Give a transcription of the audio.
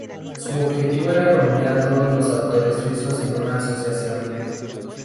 Su objetivo era reunir a todos los autores suizos en una asociación.